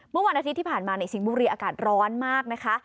เมื่อวันอาทิตย์ที่ผ่านมาในสิงห์บุรีอากาศร้อนมากนะคะ